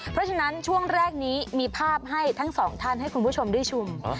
เพราะฉะนั้นช่วงแรกนี้มีภาพให้ทั้งสองท่านให้คุณผู้ชมได้ชม